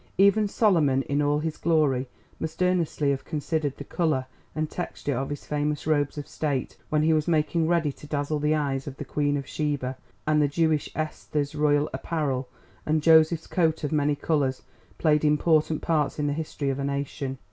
Even Solomon in all his glory must earnestly have considered the colour and texture of his famous robes of state when he was making ready to dazzle the eyes of the Queen of Sheba, and the Jewish Esther's royal apparel and Joseph's coat of many colours played important parts in the history of a nation.